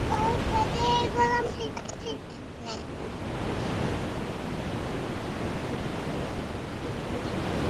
প্রতিদিন প্রস্রাব, ঘাম, শ্বাস-প্রশ্বাস ইত্যাদির মাধ্যমে আমরা শরীর থেকে প্রচুর পানি হারাই।